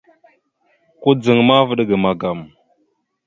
Kudzaŋ ma, vaɗ ga magam.